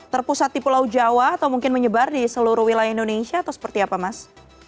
terpusat di pulau jawa atau mungkin menyebar di seluruh wilayah indonesia atau seperti apa mas